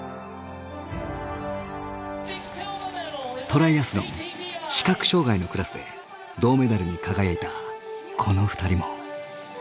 トライアスロン視覚障害のクラスで銅メダルに輝いたこの２人も。